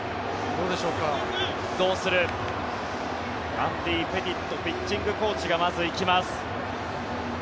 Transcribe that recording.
アンディ・ペティットピッチングコーチがまず行きます。